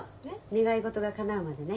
願い事がかなうまでね。